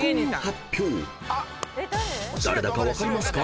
［誰だか分かりますか？］